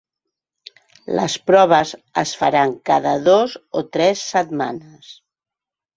Les proves es faran cada dos o tres setmanes.